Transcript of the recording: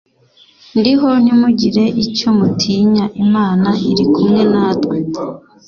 Ndiho ntimugire icyo mutinya " Imana iri kumwe na twe "